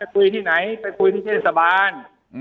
คุยที่ไหนไปคุยที่เทศบาล